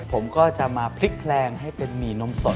ผมก็จะมาพลิกแพลงให้เป็นหมี่นมสด